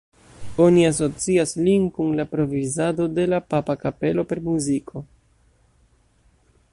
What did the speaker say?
Oni asocias lin kun la provizado de la papa kapelo per muziko.